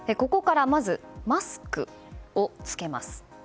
ここからまずマスクを着けます。